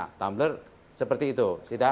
nah tumblr seperti itu